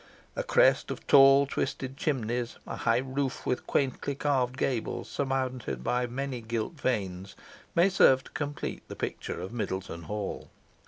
A crest of tall twisted chimneys, a high roof with quaintly carved gables, surmounted by many gilt vanes, may serve to complete the picture of Middleton Hall.